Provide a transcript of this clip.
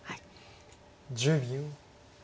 １０秒。